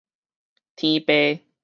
天爸